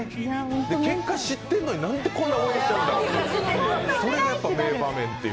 結果知ってるのに、なんでこんなに応援しちゃうんだろう。